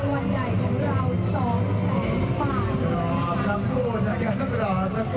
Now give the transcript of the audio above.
วันนี้รางวัลใหญ่ของเรา๒๐๐บาท